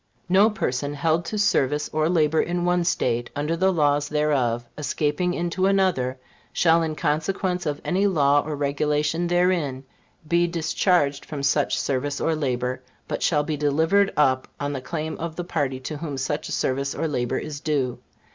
"No person held to service or labor in one State, under the laws thereof, escaping into another, shall in consequence of any law or regulation therein, be discharged from such service or labor, but shall be delivered up on the claim of the party to whom such service or labor is due."